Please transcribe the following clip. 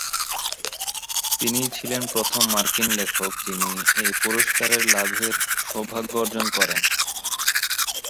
তিনিই ছিলেন প্রথম মার্কিন লেখক যিনি এ পুরস্কারের লাভের সৌভাগ্য অর্জন করেন।